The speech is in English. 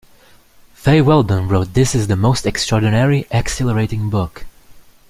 Fay Weldon wrote This is the most extraordinary, exhilarating book.